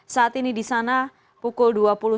saat ini di sana pukul dua puluh satu